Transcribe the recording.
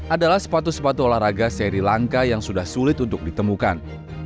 adalah sepatu sepatu olahraga seri langka yang sudah sulit untuk ditemukan